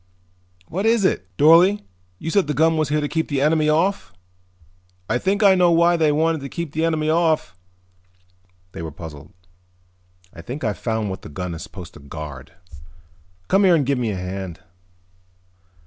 "What is it?" "Dorle, you said the gun was here to keep the enemy off. I think I know why they wanted to keep the enemy off." They were puzzled. "I think I've found what the gun is supposed to guard. Come and give me a hand."